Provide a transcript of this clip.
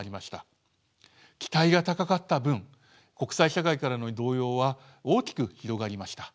期待が高かった分国際社会からの動揺は大きく広がりました。